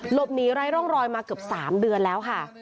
ไร้ร่องรอยมาเกือบ๓เดือนแล้วค่ะ